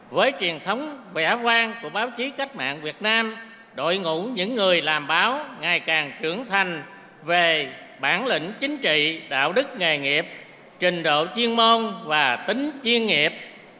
với truyền thống vẻ vang của báo chí cách mạng việt nam đội ngũ những người làm báo ngày càng trưởng thành về bản lĩnh chính trị đạo đức nghề nghiệp trình độ chuyên môn và tính chuyên nghiệp